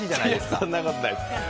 そんなことないです。